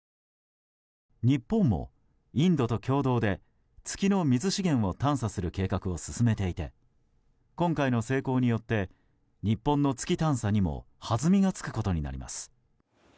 日本もインドと共同で月の水資源を探査する計画を進めていて、今回の成功によって日本の月探査にも弾みがつくことになります。